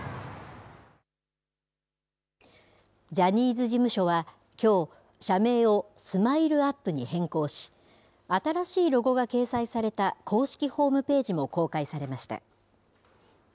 ジャニーズ事務所はきょう、社名をＳＭＩＬＥーＵＰ．に変更し、新しいロゴが掲載された公式ホームページも公開されました。